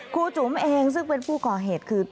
ครูจุ๋มเองซึ่งเป็นผู้ก่อเหตุคือ